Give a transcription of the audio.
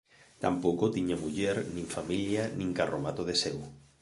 Tampouco tiña muller, nin familia, nin carromato de seu.